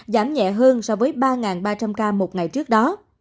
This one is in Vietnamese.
giảm nhẹ hơn so với ba ba trăm linh ca một ngày trước đó